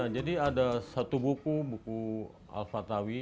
jadi ada satu buku buku al fatawi